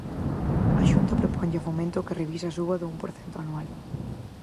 A Xunta proponlle a Fomento que revise a suba do un por cento anual.